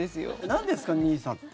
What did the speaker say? なんですかＮＩＳＡって。